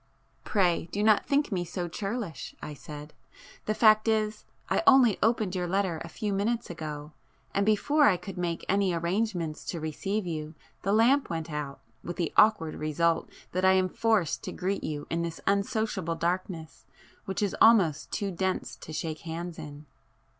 "Pray do not think me so churlish,"—I said—"The fact is, I only opened your letter a few minutes ago, and before I could make any arrangements to receive you, the lamp went out, with the awkward result that I am forced to greet you in this unsociable darkness, which is almost too dense to shake hands in."